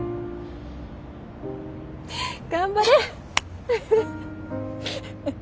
頑張れ！